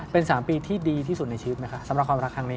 เป็น๓ปีที่ดีที่สุดในชีวิตไหมคะสำหรับความรักครั้งนี้